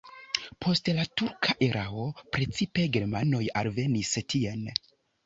Post la turka erao precipe germanoj alvenis tien.